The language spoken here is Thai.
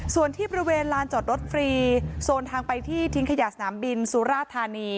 ส่วนที่บริเวณลานจอดรถฟรีโซนทางไปที่ทิ้งขยะสนามบินสุราธานี